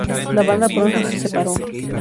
La banda pronto se separó.